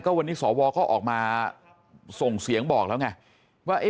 ก็วันนี้สอวอออกมาส่งเสียงบอกแล้วไง